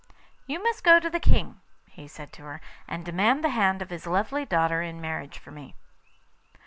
'You must go to the King,' he said to her, 'and demand the hand of his lovely daughter in marriage for me.